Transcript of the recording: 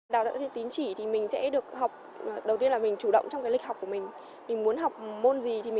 bởi vì là cái tiến trị nó cho phép sinh viên là linh hoạt